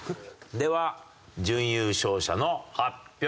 では準優勝者の発表です。